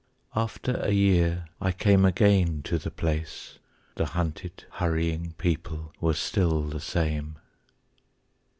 After a year I came again to the place The hunted hurrying people were still the same....